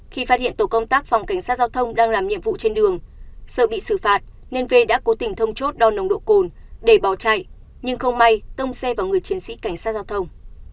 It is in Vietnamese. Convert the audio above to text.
khi phát hiện tổ công tác phòng cảnh sát giao thông đang làm nhiệm vụ trên đường sợ bị xử phạt nên v đã cố tình thông chốt đo nồng độ cồn để bỏ chạy nhưng không may tông xe vào người chiến sĩ cảnh sát giao thông